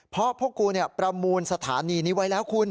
เพราะพวกกูประมูลสถานีนี้ไว้แล้วคุณ